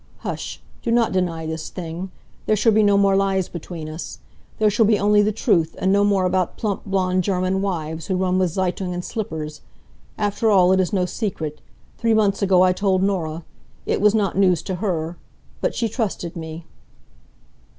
Hush! Do not deny this thing. There shall be no more lies between us. There shall be only the truth, and no more about plump, blonde German wives who run with Zeitung and slippers. After all, it is no secret. Three months ago I told Norah. It was not news to her. But she trusted me."